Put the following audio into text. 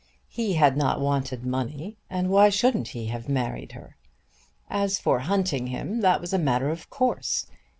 He had not wanted money and why shouldn't he have married her? As for hunting him, that was a matter of course.